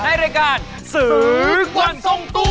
รายการสื่อกวนทรงตู้